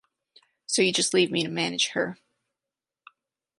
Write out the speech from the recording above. So you just leave me to manage her.